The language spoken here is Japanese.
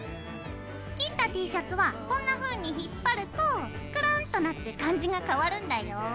切ったＴシャツはこんなふうに引っ張るとくるんっとなって感じが変わるんだよ。